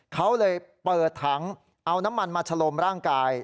เขาเลยเปิดถังเอาน้ำมันมาชะลมร่างกาย